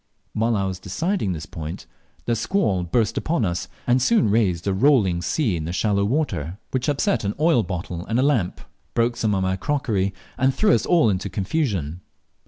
While I was deciding this point the squall burst upon us, and soon raised a rolling sea in the shallow water, which upset an oil bottle and a lamp, broke some of my crockery, and threw us all into confusion.